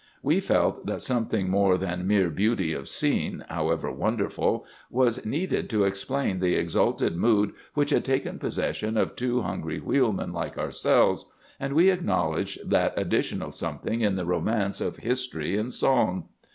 We felt that something more than mere beauty of scene, however wonderful, was needed to explain the exalted mood which had taken possession of two hungry wheelmen like ourselves; and we acknowledged that additional something in the romance of history and song.